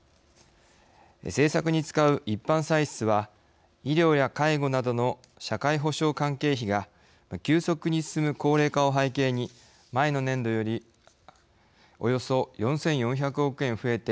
政策に使う一般歳出は医療や介護などの社会保障関係費が急速に進む高齢化を背景に前の年度よりおよそ４４００億円増えて